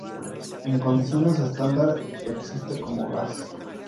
En condiciones estándar existe como gas.